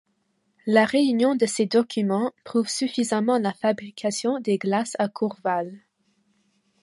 La réunion de ces documents prouve suffisamment la fabrication des glaces à Courval.